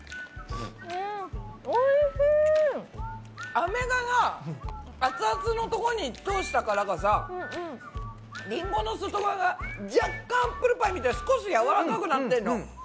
アメがさ熱々のとこに通したからかさりんごの外側が若干アップルパイみたいに少しやわらかくなってんの。